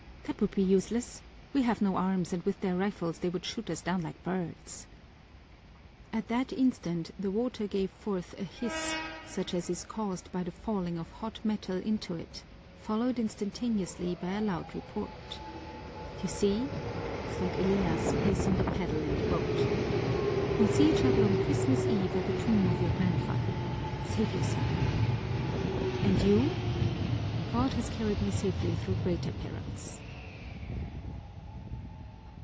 "That would be useless. We have no arms and with their rifles they would shoot us down like birds." At that instant the water gave forth a hiss such as is caused by the falling of hot metal into it, followed instantaneously by a loud report. "You see!" said Elias, placing the paddle in the boat. "We'll see each other on Christmas Eve at the tomb of your grandfather. Save yourself." "And you?" "God has carried me safely through greater perils."